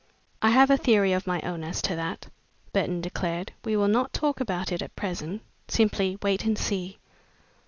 "I have a theory of my own as to that," Burton declared. "We will not talk about it at present simply wait and see."